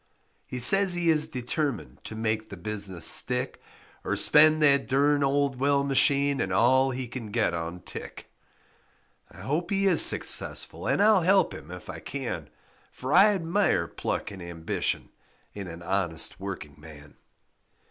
He says he is determined To make the business stick Or spend that derned old well machine And all he can get on tick. I hope he is successful And I'll help him if I can, For I admire pluck and ambition In an honest working man.